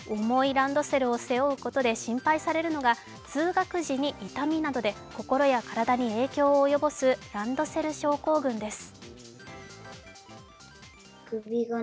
重いランドセルを背負うことで心配されるのが通学時に痛みなどで心や体に影響を及ぼすランドセル症候群です。